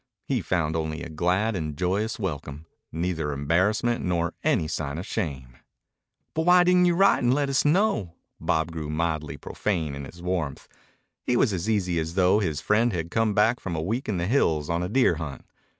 He found only a glad and joyous welcome, neither embarrassment nor any sign of shame. "But why didn't you write and let us know?" Bob grew mildly profane in his warmth. He was as easy as though his friend had come back from a week in the hills on a deer hunt.